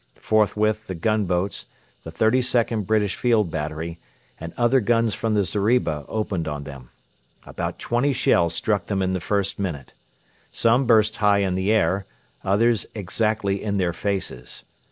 Forthwith the gunboats, the 32nd British Field Battery, and other guns from the zeriba opened on them. About twenty shells struck them in the first minute. Some burst high in the air, others exactly in their faces.